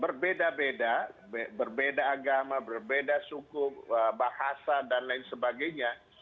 berbeda beda berbeda agama berbeda suku bahasa dan lain sebagainya